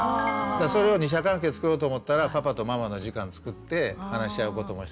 それを二者関係を作ろうと思ったらパパとママの時間つくって話し合うことも必要だし。